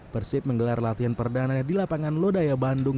persib menggelar latihan perdana di lapangan lodaya bandung